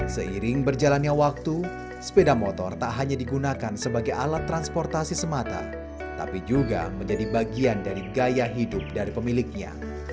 seiring berjalannya waktu sepeda motor tak hanya digunakan sebagai alat transportasi semata tapi juga menjadi bagian dari gaya hidup dari pemiliknya